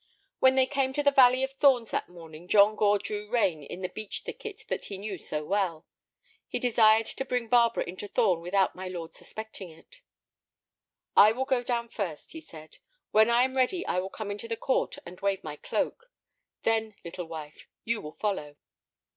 When they came to the valley of thorns that morning John Gore drew rein in the beech thicket that he knew so well. He desired to bring Barbara into Thorn without my lord suspecting it. "I will go down first," he said; "when I am ready I will come into the court and wave my cloak. Then, little wife, you will follow."